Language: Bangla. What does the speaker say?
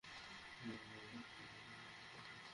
না, সে আমার সাথে আসবে।